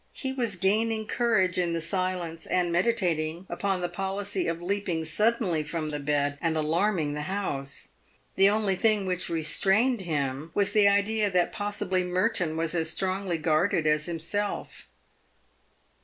He was gain ing courage in the silence, and meditating upon the policy of leaping suddenly from the bed and alarming the house. The only thing which restrained him was the idea that possibly Merton was as strongly guarded as himself.